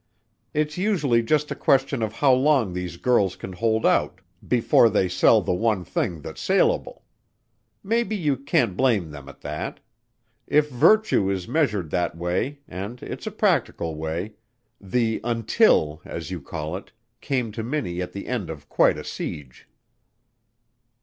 It's usually just a question of how long these girls can hold out before they sell the one thing that's saleable. Maybe you can't blame them at that. If virtue is measured that way and it's a practical way the 'until,' as you call it, came to Minnie at the end of quite a siege."